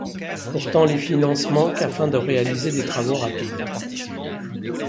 Pourtant les finances manquent afin de réaliser des travaux rapides.